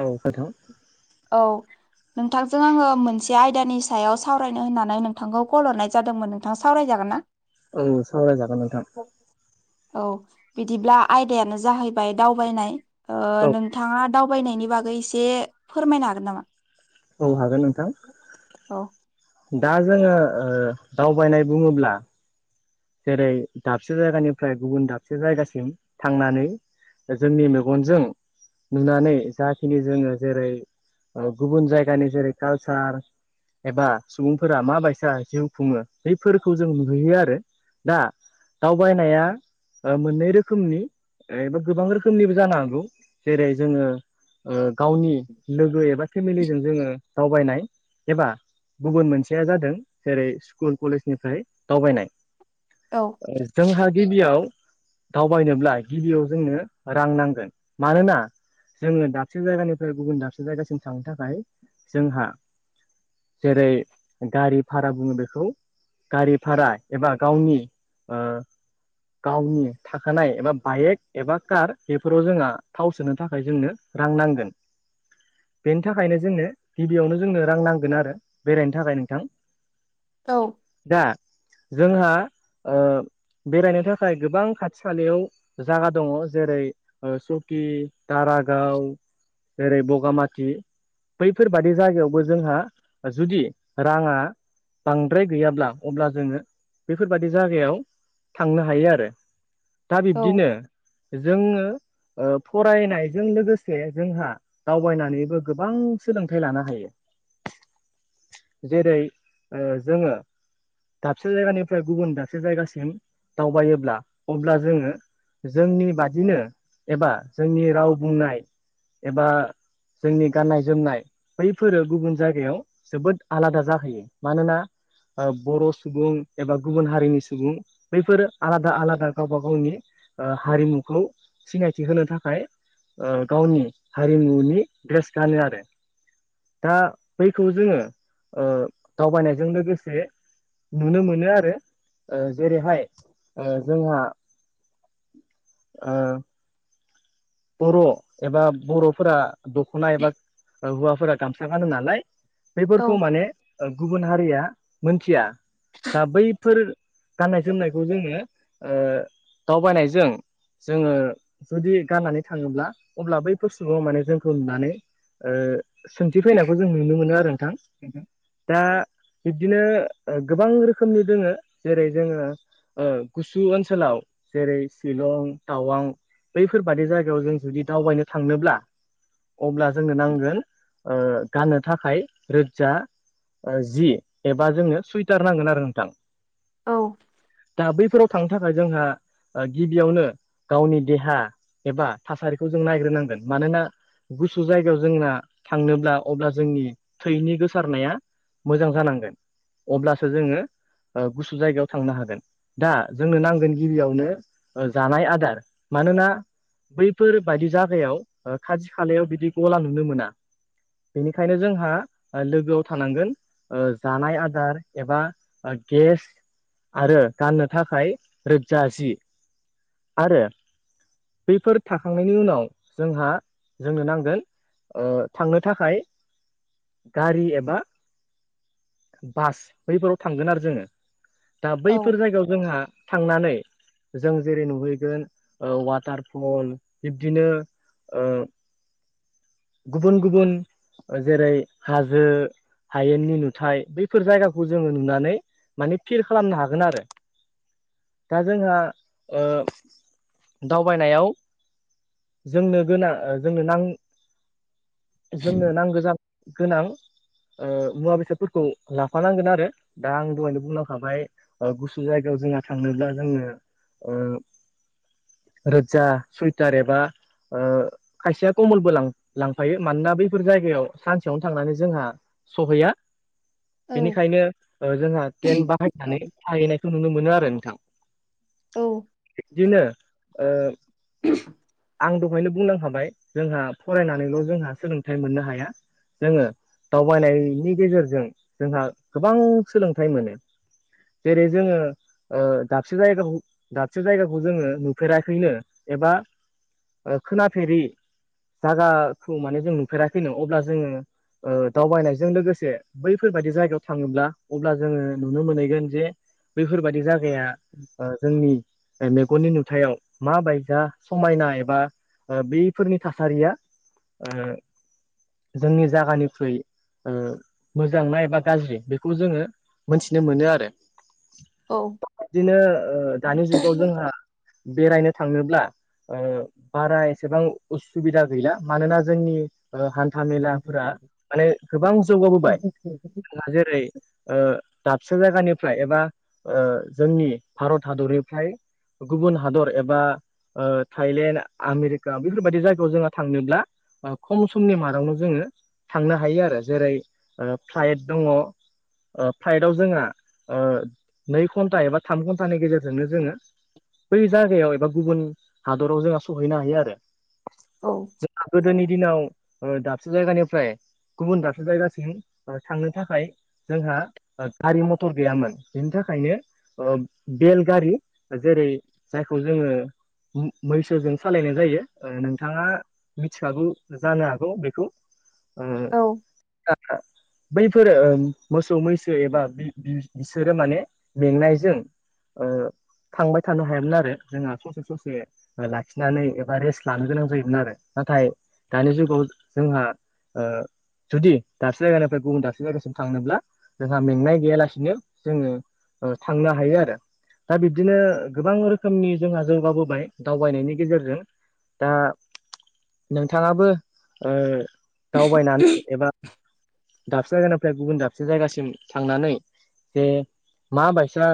औ हेलौ औ नोंथांजों आङो मोनसे आयदानि सायाव सावरायनो होननानै नोंथांखौ कल हरनाय जादोंमोन। नोंथा सावरायजागोनना? औ सावरायजागोन नोंथां। औ बिदिब्ला आयदायानो जाहैबाय दावबायनाय ओ औ नोंथाङा दावबायनायनि बागै एसे फोरमायनो हागोन नामा? औ हागोन नोंथां। औ दा जोंङो दावबायनाय बुंङोब्ला जेरै दाबसे जायगानिफ्राय गुबुन दाबसे जायगासिम थांनानै जो जोंनि मेगनजों नुनानै जाखिनि जोंङो जेरै गुबुन जायगानि जेरै कालसार एबा सुबुंफोरा मााबायसा जिउ खुंङो बफोरखौ जों नुहैयो आरो दा दावबायनाया मोननै रोखोमनिबा गोबां रोखोमनिबो जानो हागौ जेरै जोंङो गावनि लोगो एबा फेमिलिजों जोंङो दावबायनाय एबा गुबुन मोनसेया जादों जेरै स्कुल कलेजनिफ्राय दावबायनाय औ जोंहा गिबियाव दावबायनोब्ला गिबियाव जोंनो रां नांगोन मानोना जोंङो दाबसे जायगानिफ्राय गुबुन दाबसे जायगासिम थांनो थाखाय जोंहा जेरै गारि भारा बुंङो बेखौ गारि भारा एबा गावनि ओ गावनि थाखानाय एबा बाइक एबा कार बेफोराव जोंहा थाव सोनो थाखाय जोंनो रां नांगोन [inaudible] बेनि थाखायनो जोंनो गिबियावनो जोंनो रां नांगोन आरो बेरायनो थाखाय नोंथां औ दा जोंहा ओ बेरायनो थाखाय गोबां खाथि खालायाव जायागा दंङो जेरै सकि दारागाव जेरै बगामाथि बैफोरबादि जायगायावबो जोंहा जुदि रांङा बांद्राय गैयाब्ला अब्ला जोंङो बेफोरबादि जायगायाव थांनो हायो आरो दा औ बिब्दिनो जोंङो फरायनायजों लोगोसे जोंहा दावबायनानैबो गोबां सोलोंथाइ लानो हायो। [inaudible] जेरै ओ जोंङो दाबसे जायगानि फ्राय गुबुन दाबसे जायगासिम दावबायोब्ला अब्ला जोंङो जोंनि बादिनो एबा जोंनि राव बुंनाय एबा जोंनि गाननाय जोमनाय बैफोरो गुबुन जायगायाव जोबोद आलादा जाहैयो मानोना बर' सुबुं एबा गुबुन हारिनि सुबुं बैफोरो आलादा आलादा गावबा गावनि ओ हारिमुखौ सिनायथि होनो थाखाय ओ गावनि हारिमुनि ड्रेस गानो आरो दा बैखौ जोंङो ओ दावबायनायजों लोगोसे नुनो मोनो आरो ओ जेरैहाय ओ जोंहा ओ बर' एबा बर'फोरा दख'ना एबा हौवाफोरा गामसा गानो नालाय औ बेफोरखौ माने गुबुन हारिया मोनथिया दा बैफोर गाननाय जोमनायखौ जोंङो दावबायनायजों जोंङो जुदि गाननानै थांङोब्ला अब्ला बै बुस्थुखौ माने जोंखौ नुनानै ओ सोंथि फैनायखौ जों नुनो मोनो आरो नोंथां दा बिब्दिनो गोबां रोखोमनि दोङो जेरै जोंङो गुसु ओनसोलाव जेरै सिलं टावां बैफोरबादि जाया जों जुदि दावबायनो थांनोब्ला अब्ला जोंनो नांगोन ओ गाननो थाखाय रोजा जि एबा जोंनो सुइटार नांगोन आरो नोंथां औ दा बैफोराव थांनो थाखाय जोंहा गिबियावनो गावनि देहा एबा थासारिखौ जों नायग्रोनांगोन मानोना गुसु जायगायाव जोंना थांनोब्ला अब्ला जोंनि थैनि गोसारनाया मोजां जानांगोन अब्लासो जोंङो गुसु जायगायाव थांनो हागोन। दा जोंनो नांगोन गिबियावनो जानाय आदार मानोना बैफोर बायदि जागायाव खाथि खालायाव बिदि गला नुनो मोना बेनिखायनो जोंहा लोगोआव थानांगोन। जानाय आदार एबा गेस। आरो गाननो थाखाय रोजा जि आरो बैफोर थाखाखांनायनि उनाव जोंहा जोंनो नांगोन। थांनो थाखाय गारि एबा बास बैफोराव थांगोन आरो जोंङो दा औ बैफोर जायगायाव जोंहा थांनानै जों जेरै नुहैगोन वाटार फुटबल बिब्दिनो गुबुन गुबुन जेरै हाजो हायेननि नुथाय बैफोर जायगाखौ जोंङो नुनानै माने फिल खालामनो हागोन आरो दा जोंहा थायनायाव जोंनो गोन जोंनो नां जोंनो नांगौ गोनां मुवा बेसादफोरखौ लाफानांगोन आरो दा आं दहायनो बुंलांखाबाय गुसु जायगायाव जोंहा थांनोब्ला जोंङो रोजा सुइटार एबा खायसेया कमलबो लांफायो मानोना बैफोर जायगायाव सानसेयावनो थांनानै जोंहा सहैया औ बेनिखायनो जोंहा टेन्ट बाहायनानै थाहैनायखौ नुनो मोनो आरो नोंथां बिदिनो आ ए [inaudible] आं दहायनो बुंलांखाबाय जोंहा फरायनानैल' जोंहा सोलोंथाइ मोननो हाया। जोंङो दावबायनायनि गेजेरजों जोंहा गोबां सोलोंथाइ मोनो। जेरै जोंङो दाबसे जायगाखौ दाबसे जायगाखौ जोंङो फेराखैनो एबा खोनाफेरि जायागाखौ माने जों नुफेराखै नों अब्ला जोंङो दावबायनायजों लोगोसे बैफोरबायदि जायगायाव थाङोब्ला अब्ला जोंङो नुनो मोनहैगोन जे बैफोरबादि जायागाया जोंनि मेगननि नोजोर खुथायाव माबाय जा समायना एबा बैफोरनि थासारिया जोंनि जायगानिख्रुइ मोजां ना एबा गाज्रि बेखौ जोंङो मोनथिनो मोनो आरो औ बिदिनो दानि जुगाव जोंहा बेरायनो थांनोब्ला बारा एसेबां उसुबिदा गैला मानोना जोंनि जामेलाफोरा माने गोबां जौगाबोबाय जेरै दाबसे जायगानिफ्राय एबा जोंनि भारत हादरनिफ्राय गुबुन हादर एबा थाइलेण्ड आमेरिका बेफोरबायदि जायगायाव जोंहा थांनोब्ला। खम समनि मादावनो जोंङो थांनो हायो आरो जेरै फ्लाइट दंङो फ्लाइटआव जोंहा नै घन्टा एबा थाम घन्टानि गेजेरजोंनो जोंङो बै जायगायाव एबा गुबुन हादराव जोंहा सहैनो हायो आरो औ जों गोदोनि दिनाव दाबसे जायगानिफ्राय गुबुन दाबसे जायगासिम ओ थांनो थाखाय जोंहा ओ गारि मटर गैयामोन बिनि थाखायनो ओ बेल गारि जेरै जायखौ जोङो मैसोजों सालायनाय जायो ओ नोंथाङा मिथिखागौ जानो हागौ बेखौ ओ औ [unintelligible] बैफोरो मोसौ मैसो एबा बि बिसोरो माने मेंनायजों ओ थांबाय थानो हायामोन आरो जोंहा ससे ससे ओ लाखिनानै एबा रेस्ट लानो गोनां जायोमोन आरो नाथाय दानि जुगाव जोंहा ओ जुदि दाबसे जायगानिफ्राय गुबुन दाबसे जायगासिम थांनोब्ला जोंहा मेंनाय गैयालासिनो जोङो ओ थांनो हायो आरो दा बि बिदिनो गोबां रोखोमनि जोंहा जौगाबोबाय दावबायनायनि गेजेरजों दा नोंथाङाबो ओ दावबायनानै एबा दाबसे जायगानिफ्राय गुबुन दाबसे जायगासिम थांनानै जे मा बायसा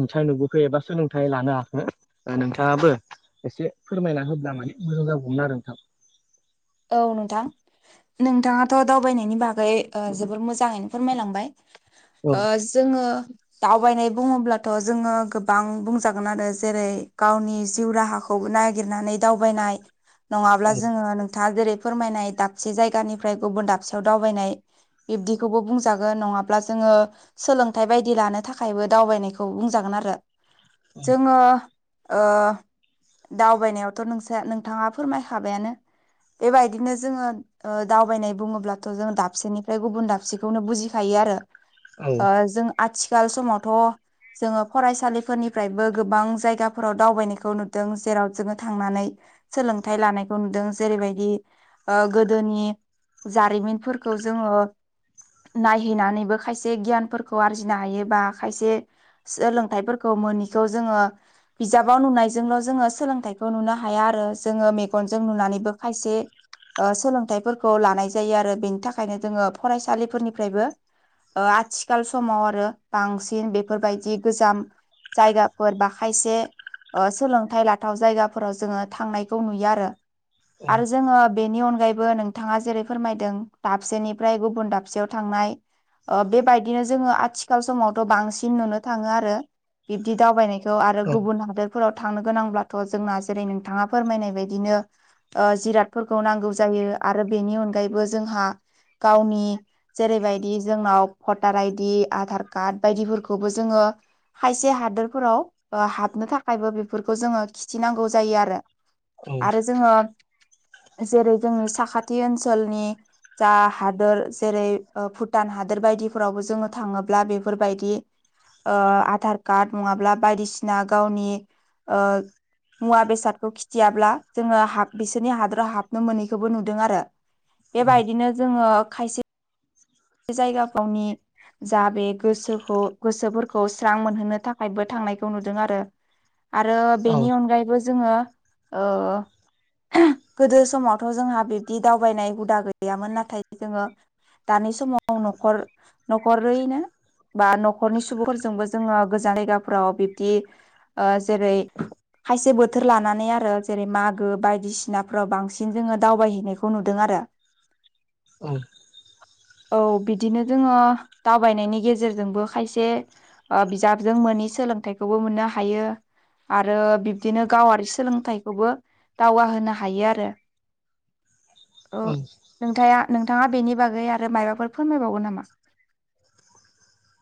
नोंथां नुबोखो एबा सोलोंथाइ लानो हाखो ओ नोंथाङाबो एसे फोरमायना होब्ला माने मोजां जाबौमोन आरो नोंथां औ नोंथां नोंथाङाथ' दावबायनायनि बागै ओ जोबोर मोजाङैनो फोरमायलांबाय औ ओ जोङो दावबायनाय बुङोब्लाथ' जोङो गोबां बुंजागोन आरो जेरै गावनि जिउ राहा खौ नागिरनानै दावबायनाय नङाब्ला जोङो नोंथाङा जेरै फोरमायनाय दाबसे जायगानिफ्राय गुबुन दाबसेयाव दावबायनाय बिब्दिखौबो बुंजागोन नङाब्ला जोङो सोलोंथाइ बायदि लानो थाखायबो दावबायनायखौ बुंजागोन आरो जोङो ओ दावबायनायावथ' नोंसा नोंथाङा फोरमायखाबायानो बेबायदिनो जोङो ओ दावबायनाय बुङोब्लाथ' जों दाबसेनिफ्राय गुबुन दाबसेखौनो बुजिखायो आरो औ ओ जों आथिखाल समावथ' जोङो फरायसालिफोरनिफ्रायबो गोबां जायगाफोराव दावबायनायखौ नुदों जेराव जोङो थांनानै सोलोंथाइ लानायखौ नुदों जेरैबायदि दि ओ गोदोनि जारिमिनफोरखौ जोङो नायहैनानैबो खायसे गियानफोरखौ आरजिनो हायो बा खायसे सोलोंथाइफोरखौ मोनिखौ जोङो बिजाबाव नुनायजोंल' जोङो सोलोंथाइखौ नुनो हाया आरो जोङो मेगनजों नुनानैबो खायसे ओ सोलोंथाइफोरखौ लानाय जायो आरो बेनि थाखायनो जोङो फरायसालिफोरनिफ्रायबो ओ आथिखाल समाव आरो बांसिन बेफोरबायदि गोजाम जायगाफोर बा खायसे ओ सोलोंथाइ लाथाव जायगाफोराव जोङो थांनायखौ नुयो आरो। आरो जोङो बेनि अनगायैबो नों थाङा जेरै फोरमायदों दाबसेनिफ्राय गुबुन दाबसेयाव थांनाय ओ बेबायदिनो जोङो आथिखाल समावथ' बांसिन नुनो थाङो आरो बिब्दि दावबायनाय त' आरो गुबुन हादोरफोराव थांनो गोनांब्लाथ' जोंना जेरै नोंथाङा फोरमायनाय बायदिनो ओ जिरादफोरखौ नांगौ जायो आरो बेनि अनगायैबो जोंहा गावनि जेरैबायदि जोंनाव भटार आइदि आधार कार्ड बायदिफोरखौबो जोङो खायसे हादोरफोराव ओ हाबनो थाखायबो बेफोरखौ जोङो खिथिनांगौ जायो आरो। औ आरो जोङो जेरै जोंनि साखाथि ओनसोलनि जा हादोर जेरै ओ भुटान हादोर बायदिफोरावबो जोङो थाङोब्ला बेफोरबायदि ओ आधार कार्ड नङाब्ला बायदिसिना गावनि ओ मुवा बेसादखौ खिथियाब्ला जोङो हाब बिसोरनि हादोराव हाबनो मोनैखौबो नुदों आरो बेबायदिनो जोंङो खायसे बे जायगा थावनि जा बे गोसोखौ गोसोफोरखौ स्रां मोनहोनो थाखायबो थांनायखौ नुदों आरो आरो औ बेनि अनगायैबो जोंङो ओ गोदो समावथ' जोंहा बिब्दि दावबायनाय हुदा गैयामोन नाथाय जोंङो दानि स समाव न'खर न'खरैनो बा न'खरनि सुबुंफोरजोंबो जोंङो गोजान जायगाफोराव बिब्दि ओ जेरै खायसे बोथोर लानानै आरो जेरै मागो बायदिसिनाफोराव बांसिन जोंङो दावबायहैनायखौ नुदों आरो औ औ बिदिनो जोंङो दावबायनायनि गेजेरजोंबो खायसे ओ बिजाबजों मोनि सोलोंथाइखौबो मोननो हायो। आरो बिब्दिनो गावारि सोलोंथाइखौबो दावगा होनो हायो आरो [inaudible] औ नोंथांया नोंथांङा बेनि बागै आरो मायबाफोर फोरमायबावगोन नामा?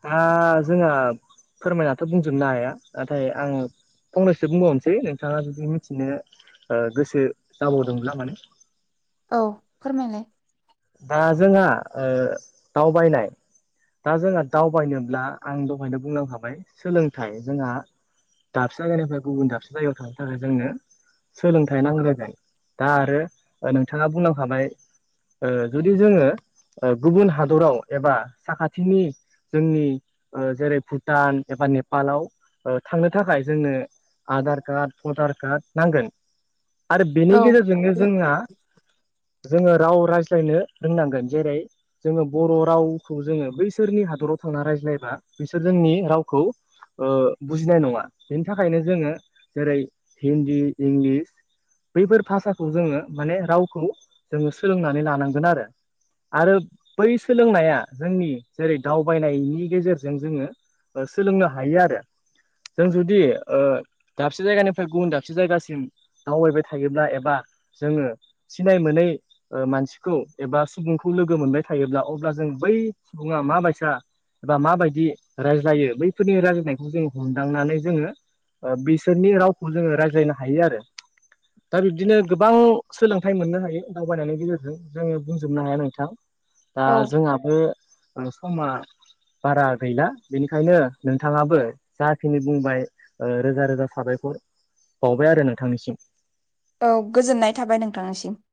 दा जोंहा फोरमायनाथ' बुंजोबनो हाया नाथाय आं फंनैसो बुंबावनोसै नोंथांङा जुदि मिथिनो ओ गोसो जाबावदोंब्ला माने औ फोरमायलाय दा जोंहा ओ दावबायनाय दा जोंहा दावबायनोब्ला आं दहायनो बुंलांखाबाय सोलोंथाइ जोंहा दाबसे जायगानिफ्राय गुबुन दाबसे जायगायाव थांनो थाखाय जोंनो सोलोंथाइ नांग्रोगोन दा आरो नोंथांङा बुंलांखाबाय जुदि जोंङो गुबुन हादराव एबा साखाथिनि जोंनि जेरै भुटान एबा नेपालाव थांनो थाखाय जोंनो आधार कार्ड भटार कार्ड नांगोन। आरो बेनि औ गेजेरजोंनो जोंहा जोंङो राव राज्ला फ्रायनो रोंनांगोन जेरै जोंङो बर' रावखौ जोंङो बैसोरनि हादराव थांनानै रायज्लायबा बिसोर जोंनि रावखौ ओ बुजिनाय नंङा बेनि थाखायनो जोंङो जेरै हिन्दी इंलिस बैफोर भाषाखौ जोंङो माने रावखौ जोंङो सोलोंनानै लानांगोन आरो आरो बै सोलोंनाया जोंनि जेरै दावबायनायनि गेजेरजों जोंङो ओ सोलोंनो हायो आरो जों जुदि ओ दाबसे जायगानिफ्राय गुबुन दाबसे जायगासिम दावबायबाय थायोब्ला एबा जोंङो सिनाय मोनै ओ मानसि खौ एबा सुबुंखौ लोगो मोनबाय थायोब्ला अब्ला जों बै सुबुंङा माबायसा एबा माबायदि रायज्लायो बैफोरनि रायज्लनायखौ जों हमदांनानै जोंङो ओ बिसोरनि रावखौ जोंङो रायज्लायनो हायो आरो दा बिब्दिनो गोबां सोलोंथाइ मोननो हायो दावबायनायनि गेजेरजों जोंङो बुंजोबनो हाया। नोंथां दा औ जोंहाबो ओ समा बारा गैला बेनिखायनो नोंथांङाबो जाखिनि बुंबाय ओ रोजा रोजा साबायखर बाउबाय आरो नोंथांनिसिम औ गोजोननाय थाबाय नोंथांनिसिम